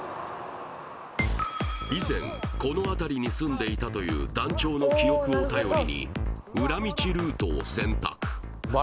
以前この辺りに住んでいたという団長の記憶を頼りに裏道ルートを選択